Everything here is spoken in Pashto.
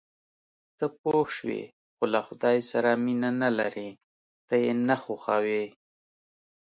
ته پوه شوې، خو له خدای سره مینه نه لرې، ته یې نه خوښوې.